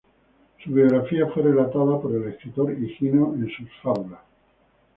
Su biografía fue relatada por el escritor Higino en sus "Fábulas".